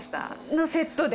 のセットで。